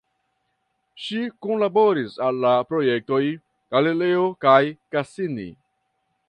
Ŝi kunlaboris al la projektoj Galileo kaj Cassini.